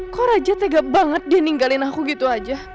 kok raja tega banget dia ninggalin aku gitu aja